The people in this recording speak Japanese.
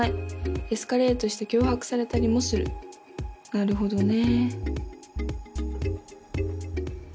なるほどね。